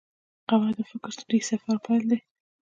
قهوه د فکري سفر پیل دی